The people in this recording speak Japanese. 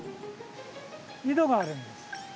井戸があるんです。